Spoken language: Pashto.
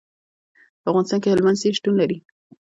په افغانستان کې هلمند سیند شتون لري.